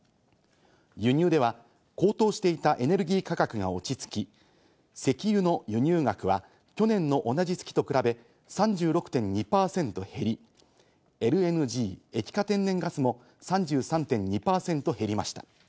輸入では高騰していたエネルギー価格が落ち着き、石油の輸入額は去年の同じ月と比べ３６．２％減り、ＬＮＧ＝液化天然ガスも３３．２％減りました。